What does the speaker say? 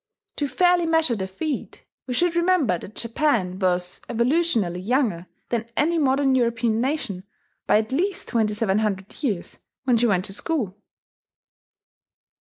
To fairly measure the feat, we should remember that Japan was evolutionally younger than any modern European nation, by at least twenty seven hundred years, when she went to school!